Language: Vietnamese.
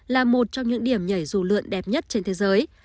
là một trong những điểm nhảy dù lượn đẹp nhất trên thế giới